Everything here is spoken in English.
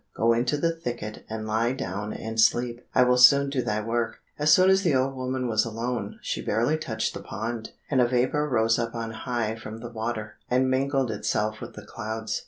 Go into the thicket and lie down and sleep; I will soon do thy work." As soon as the old woman was alone, she barely touched the pond, and a vapour rose up on high from the water, and mingled itself with the clouds.